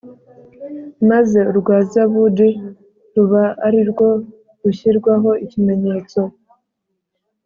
maze urwa zabudi ruba ari rwo rushyirwaho ikimenyetso.